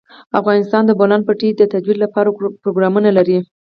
افغانستان د د بولان پټي د ترویج لپاره پروګرامونه لري.